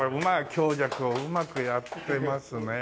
強弱をうまくやってますねえ。